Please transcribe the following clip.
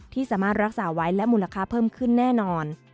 ที่สามารถรักษาไว้และมูลค่าเพิ่มขึ้นแน่นอน